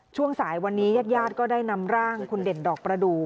ช่วงสายวันนี้ญาติญาติก็ได้นำร่างคุณเด่นดอกประดูก